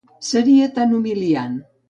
Seria tan humiliant.